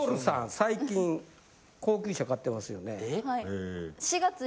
最近高級車買ってますよね。